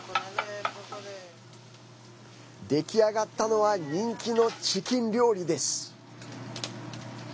出来上がったのは人気のチキン料理です。